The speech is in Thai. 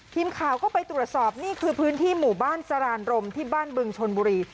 ทีมข่าวก็ไปตรวจสอบนี่คือพื้นที่หมู่บ้านสรานรมที่บ้านบึงชนบุรี